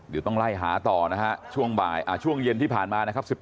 เดี๋ยวต้องไล่หาต่อนะฮะช่วงเย็นที่ผ่านมานะครับ